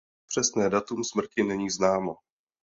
Přesné datum smrti není známo.